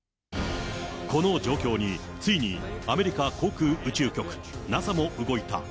この状況に、ついにアメリカ航空宇宙局・ＮＡＳＡも動いた。